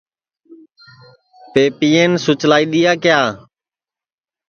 پئپین سُچ لائی دؔیا کیا